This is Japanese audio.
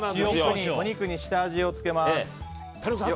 お肉に下味をつけます。